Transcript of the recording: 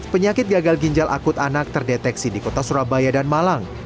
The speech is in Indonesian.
penyakit gagal ginjal akut anak terdeteksi di kota surabaya dan malang